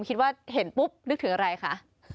คิดว่าเห็นปุ๊บนึกถึงอะไรคะ